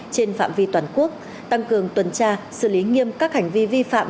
trên phạm vi toàn quốc tăng cường tuần tra xử lý nghiêm các hành vi vi phạm